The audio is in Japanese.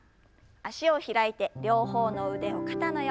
脚を開いて両方の腕を肩の横。